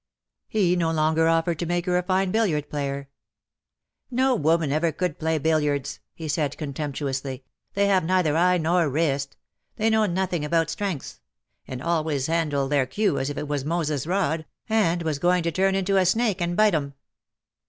He no longer offered to make her a fine billiard player. ^^ No woman ever could play billiards^^^ he said, contemptuously —^^ they have neither eye nor wrist ; they know nothing about strengths; and always handle their cue as if it was Moses's rod^ and was going to turn into a snake and bite 'em.